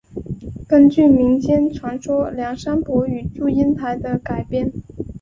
根据民间传说梁山伯与祝英台的改编。